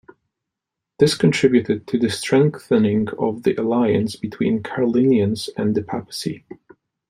This contributed to the strengthening of the alliance between the Carolingians and the Papacy.